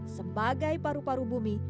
sebagai paru paru bumi